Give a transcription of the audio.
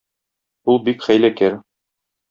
Ул бик хәйләкәр.